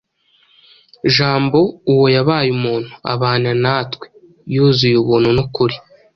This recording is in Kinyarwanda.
Jambo uwo yabaye umuntu, abana na twe…, yuzuye ubuntu n’ukuri.”